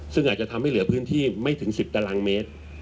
ซึ่งอาจจะทำให้เหลือพื้นที่ไม่ถึง๑๐ตารางเมตร